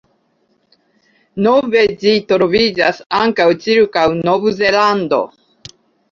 Nove ĝi troviĝas ankaŭ cirkaŭ Nov-Zelando.